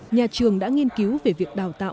nhà trường đã nghiên cứu về việc đào tạo